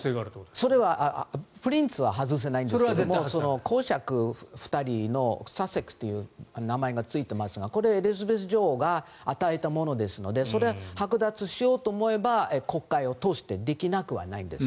それはプリンスは外せないんですが公爵、２人のサセックスという名前がついていますがこれはエリザベス女王が与えたものですのでそれははく奪しようと思えば国会を通してできなくはないんです。